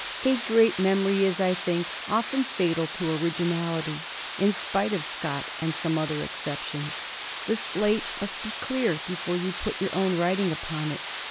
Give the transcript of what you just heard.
A great memory is, I think, often fatal to originality, in spite of Scott and some other exceptions. The slate must be clear before you put your own writing upon it.